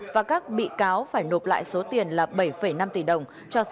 và các bị cáo phải nộp lại số tiền là bảy năm tỷ đồng